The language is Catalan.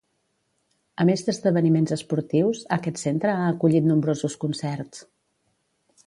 A més d'esdeveniments esportius, aquest centre ha acollit nombrosos concerts.